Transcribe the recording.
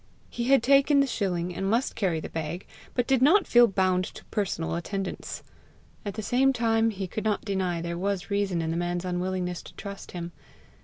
He had taken the shilling, and must carry the bag, but did not feel bound to personal attendance. At the same time he could not deny there was reason in the man's unwillingness to trust him.